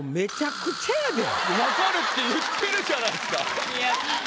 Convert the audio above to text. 「分かる」って言ってるじゃないですか。